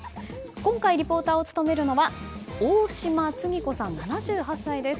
今回リポーターを務めるのは大島次子さん、７８歳です。